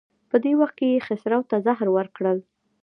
په دې وخت کې یې خسرو ته زهر ورکړل.